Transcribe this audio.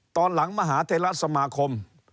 ตอนหลังมาหาธระสมาคม